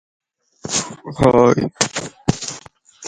And who was this?